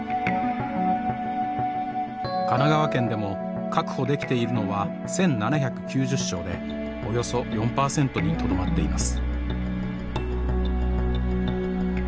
神奈川県でも確保できているのは１，７９０床でおよそ４％にとどまっています。